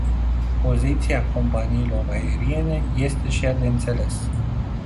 Poziția companiilor aeriene este și ea de înțeles.